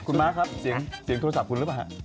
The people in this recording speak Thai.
คุณม้าครับเสียงโทรศัพท์คุณหรือเปล่าฮะ